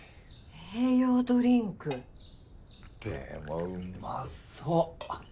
栄養ドリンク？でもうまそう！